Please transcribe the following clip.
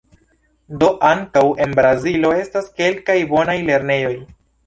Do ankaŭ en Brazilo estas kelkaj bonaj lernejoj.